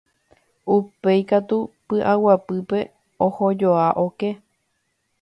Upéi katu py'aguapýpe ohojoa oke.